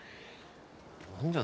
何じゃ？